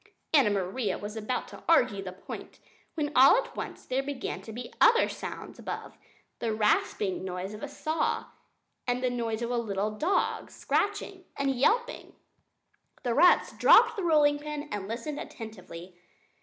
Anna Maria was about to argue the point when all at once there began to be other sounds up above the rasping noise of a saw, and the noise of a little dog, scratching and yelping! The rats dropped the rolling pin and listened attentively.